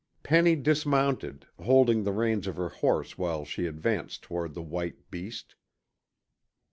Penny dismounted, holding the reins of her horse while she advanced toward the white beast.